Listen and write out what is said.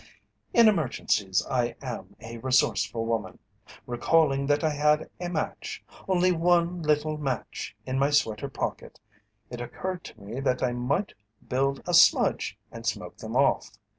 "In emergencies I am a resourceful woman. Recalling that I had a match only one little match in my sweater pocket, it occurred to me that I might build a smudge and smoke them off.